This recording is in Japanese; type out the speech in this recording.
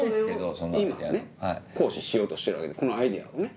それを今ね行使しようとしてるわけでこのアイデアをね。